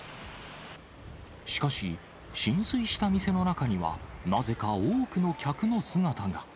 しかし、浸水した店の中には、なぜか多くの客の姿が。